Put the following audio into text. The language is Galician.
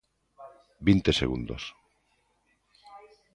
Vinte segundos.